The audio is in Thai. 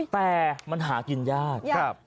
แต่มันหากินยาก